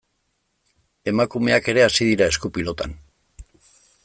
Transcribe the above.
Emakumeak ere hasi dira esku-pilotan.